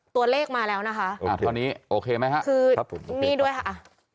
ตัวเลขมาแล้วนะคะอ่าตอนนี้โอเคไหมฮะคือนี่ด้วยค่ะอ่ะ